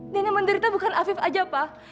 dan yang menderita bukan afif aja pak